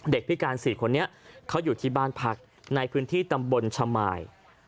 พิการ๔คนนี้เขาอยู่ที่บ้านพักในพื้นที่ตำบลชะมาย